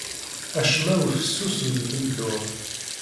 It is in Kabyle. Acemma ur fessus deg tmeddurt.